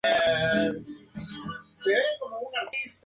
El recibió críticas positivas de sus fans y estuvo muy agradecido.